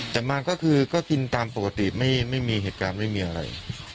แต่มาก็คือก็กินตามปกติไม่มีเหตุการณ์ไม่มีอะไร